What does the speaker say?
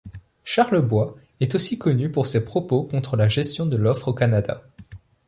Charlebois est aussi connu pour ses propos contre la gestion de l'offre au Canada.